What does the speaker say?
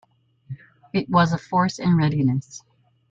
It was a force in readiness.